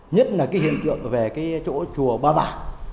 nhất là cái hiện tượng về cái chỗ chùa ba bảng